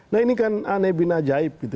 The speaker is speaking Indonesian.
nah ini kan aneh bin ajaib gitu